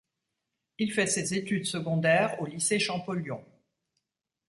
Il fait ses études secondaires au Lycée Champollion.